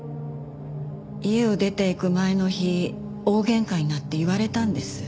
家を出て行く前の日大喧嘩になって言われたんです。